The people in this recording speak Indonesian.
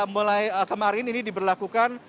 mulai kemarin ini diberlakukan